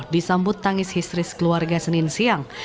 disambut tangis histeris keluarga senin siang